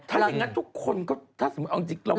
ถ้าอย่างนั้นทุกคนก็ถ้าสมมุติเอาจริง